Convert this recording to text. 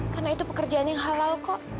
karena itu pekerjaan yang halal kok